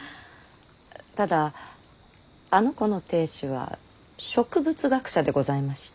ただあの子の亭主は植物学者でございまして。